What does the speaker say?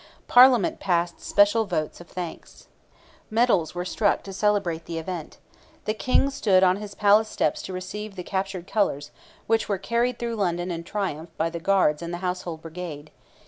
Parliament passed special votes of thanks. Medals were struck to celebrate the event. The king stood on his palace steps to receive the captured colours, which were carried through London in triumph by the Guards and the Household Brigade.